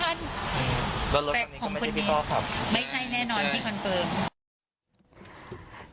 แต่ผมคนนี้ไม่ใช่แน่นอนที่คอนเฟิร์ม